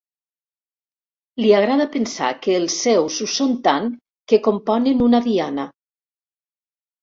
Li agrada pensar que els seus ho són tant que componen una diana.